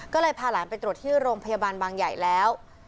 ก็เลยพาหลานไปตรวจที่โรงพยาบาลบางใหญ่แล้ว